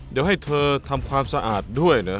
เดี๋ยวให้เธอทำความสะอาดด้วยเหรอ